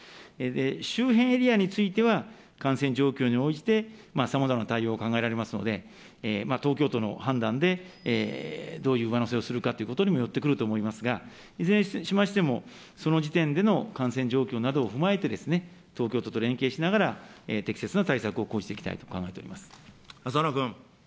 周辺エリアについては、感染状況に応じてさまざまな対応を考えられますので、東京都の判断でどういう上乗せをするかということにもよってくると思いますが、いずれにしましても、その時点での感染状況などを踏まえて、東京都と連携しながら、適切な対策を講じていきたいと考浅野君。